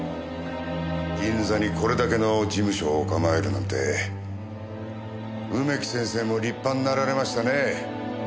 銀座にこれだけの事務所を構えるなんて梅木先生も立派になられましたねぇ。